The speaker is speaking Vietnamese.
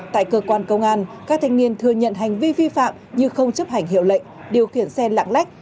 tại cơ quan công an các thanh niên thừa nhận hành vi vi phạm như không chấp hành hiệu lệnh điều khiển xe lạng lách